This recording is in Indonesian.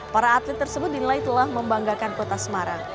para atlet tersebut dinilai telah membanggakan kota semarang